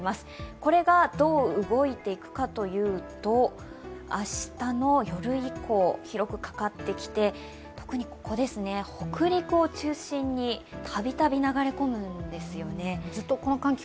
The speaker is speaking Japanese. これがどう動いていくかというと、明日の夜以降、広くかかってきて特に北陸を中心に度々流れ込むんですよね。